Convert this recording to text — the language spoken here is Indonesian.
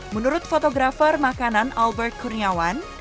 menurut fotografer makanan albert kurniawan